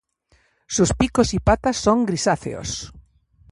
Sus picos y patas son grisáceos.